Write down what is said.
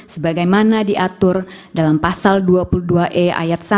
sebagaimana diatur dalam pasal dua puluh dua e ayat satu